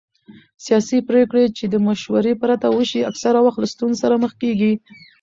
سیاسي پرېکړې چې د مشورې پرته وشي اکثره وخت له ستونزو سره مخ کېږي